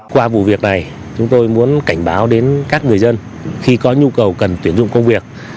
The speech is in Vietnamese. qua vụ việc này chúng tôi muốn cảnh báo đến các người dân khi có nhu cầu cần tuyển dụng công việc